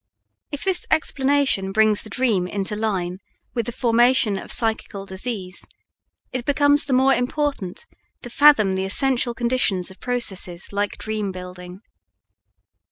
If this explanation brings the dream into line with the formation of psychical disease, it becomes the more important to fathom the essential conditions of processes like dream building.